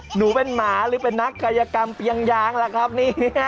หนูเป็นหมาหรือเป็นนักกายกรรมเปียงยางล่ะครับเนี่ย